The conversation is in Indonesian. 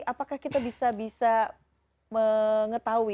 apakah kita bisa bisa mengetahui